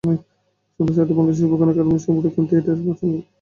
সন্ধ্যা সাতটায় বাংলাদেশ শিল্পকলা একাডেমীর পরীক্ষণ থিয়েটার হলে প্রদর্শনীটি শুরু হবে।